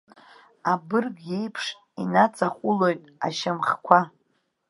Абырг иеиԥш инаҵаҟәылоит ашьамхқәа.